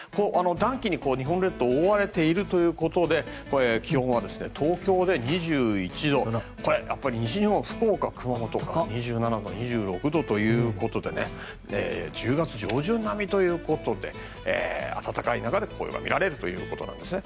暖気に日本列島は覆われているということで気温は東京で２１度これ、西日本、福岡、熊本２７度、２６度ということで１０月上旬並みということで暖かい中で紅葉が見られるということですね。